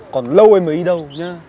còn lâu em mới đi đâu nhá